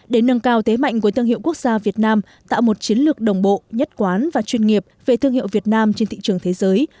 để nâng cao tế mạnh của thương hiệu quốc gia việt nam tạo một chiến lược đồng bộ nhất quán và chuyên nghiệp về thương hiệu việt nam trên thị trường thế giới